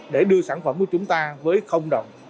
để đưa sản phẩm của chúng ta với đồng